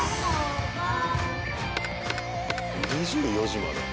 ２４時まで。